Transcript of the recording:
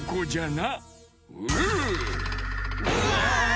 うわ！